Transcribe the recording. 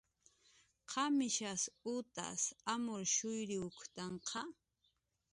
¿Qamishas utas amurshuyriwktanqa?